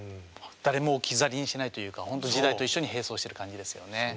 誰も置き去りにしないというかほんと時代と一緒に並走してる感じですよね。